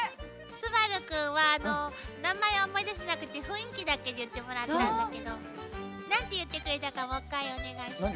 昴君は名前思い出せなくて雰囲気だけで言ってもらったんだけど何て言ってくれたかもう一回お願いします。